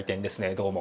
どうも。